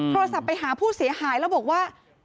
โทรศัพท์ไปหาผู้เสียหายแล้วบอกว่า